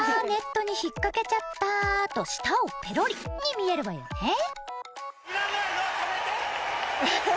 ネットに引っかけちゃったーと舌をペロリに見えるわよね。